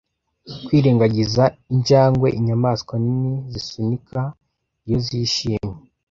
Kwirengagiza injangwe inyamaswa nini zisunika iyo zishimye